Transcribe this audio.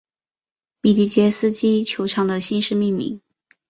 米底捷斯基球场的姓氏命名。